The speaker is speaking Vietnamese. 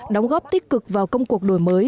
đóng góp tích cực vào công cuộc đổi mới